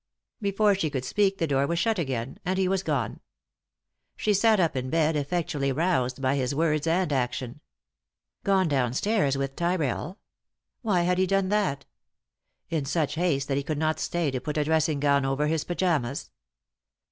Before she could speak the door was shut again, and he was gone. She sat up in bed, effectually roused by his words and action. Gone downstairs ;«y?e.c.V GOOglC THE INTERRUPTED KISS with Tyrrell? Why had he done that? In such haste that he could not stay to put a dressing gown over his pyjamas?